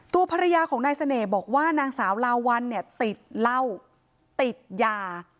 ตัวภรรยาของนายเสน่ห์บอกว่านางสาวลาวัลเนี่ยติดเหล้าติดยา